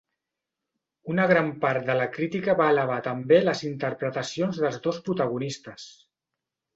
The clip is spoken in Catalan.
Una gran part de la crítica va alabar també les interpretacions dels dos protagonistes.